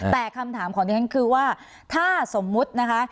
แต่คำถามของดิฉันคือว่าถ้าสมมุตินะคะ